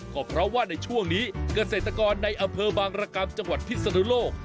ก็เพราะว่าในช่วงนี้เกษตรกรในอำเภอบางรกรรมจังหวัดพิศนุโลก